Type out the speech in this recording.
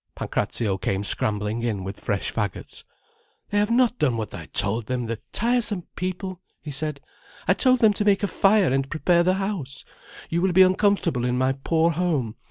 Pancrazio came scrambling in with fresh faggots. "They have not done what I told them, the tiresome people!" he said. "I told them to make a fire and prepare the house. You will be uncomfortable in my poor home.